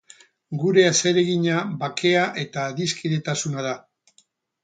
Gure zeregina bakea eta adiskidetasuna da.